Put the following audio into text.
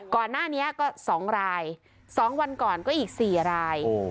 ก่อนหน้านี้ก็๒ราย๒วันก่อนก็อีก๔ราย